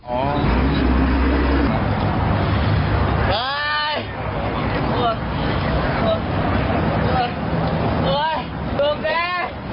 โอ้ยดูแก